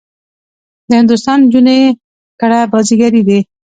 د هندوستان نجونې کړه بازيګرې دي.